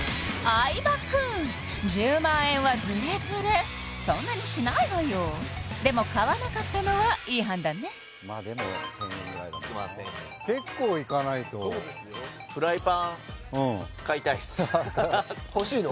相葉くん１０万円はズレズレそんなにしないわよでも買わなかったのはいい判断ねでも１０００円ぐらいだもんな結構いかないとそうですよ欲しいの？